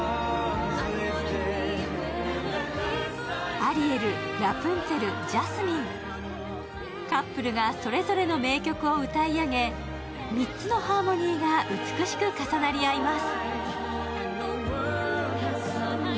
アリエルラプンツェルジャスミンカップルがそれぞれの名曲を歌い上げ３つのハーモニーが美しく重なり合います